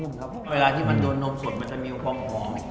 เพราะเวลาที่มันโดนนมสดมันจะมีความหอม